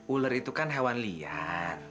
ular itu kan hewan liar